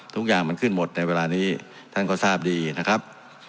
ทุกอย่างมันขึ้นหมดในเวลานี้ท่านก็ทราบดีนะครับ